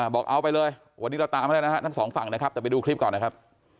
บอกเอาไปเลยวันนี้เราตามมาแล้วนะฮะทั้งสองฝั่งนะครับแต่ไปดูคลิปก่อนนะครับ